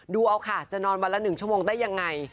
ดูเอาค่ะจะนอนวันละ๑ชั่วโมงได้ยังไง